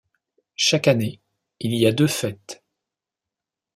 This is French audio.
Chaque année, il y a deux fêtes.